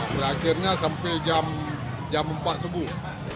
berakhirnya sampai jam empat subuh